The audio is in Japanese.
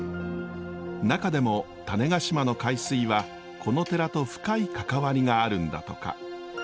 中でも種子島の海水はこの寺と深い関わりがあるんだとか。